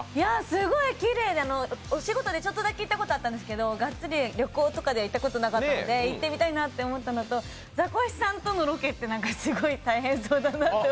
すごいきれいで、お仕事でちょっとだけ行ったことはあるんですけどガッツリ旅行とかで行ったことなかったので、行ってみたいなと思ったのと、ザコシさんとのロケって、すごい大変そうだなと。